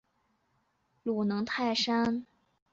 现在效力中国足球超级联赛球队山东鲁能泰山。